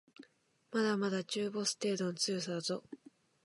まだまだ中ボス程度の強さだぞ